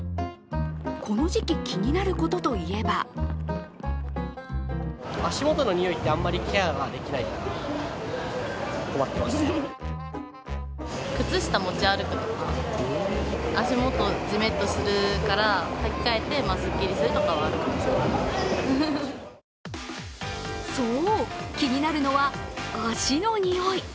この時期、気になることといえばそう、気になるのは足のにおい。